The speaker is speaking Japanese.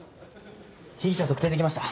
被疑者特定できました。